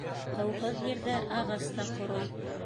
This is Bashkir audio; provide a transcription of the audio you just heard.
Һыуһыҙ ерҙә ағас та ҡорой.